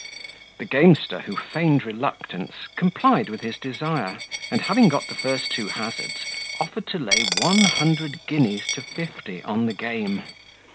The gamester, who feigned reluctance, complied with his desire; and having got the two first hazards, offered to lay one hundred guineas to fifty on the game.